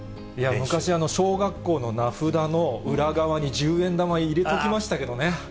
昔、小学校の名札の裏側に十円玉入れときましたけどね。